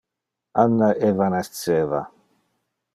Anna evanesceva.